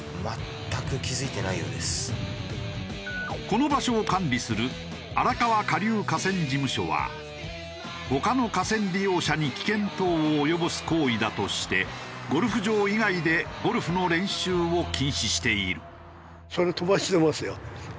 この場所を管理する荒川下流河川事務所は他の河川利用者に危険等を及ぼす行為だとしてゴルフ場以外でゴルフの練習を禁止している。